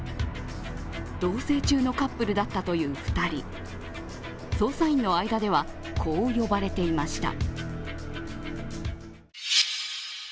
同棲中のカップルだったという２人捜査員の間では、こう呼ばれていました。